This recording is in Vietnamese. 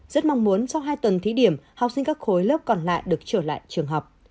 rất mong muốn sau hai tuần thí điểm học sinh các khối lớp còn lại được trở lại trường học